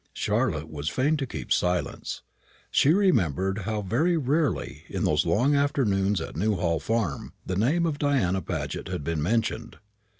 Charlotte was fain to keep silence. She remembered how very rarely, in those long afternoons at Newhall farm, the name of Diana Paget had been mentioned.